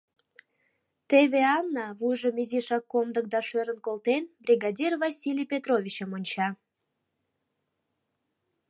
Теве Анна, вуйжым изишак комдык да шӧрын колтен, бригадир Василий Петровичым онча.